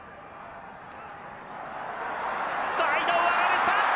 間を割られた！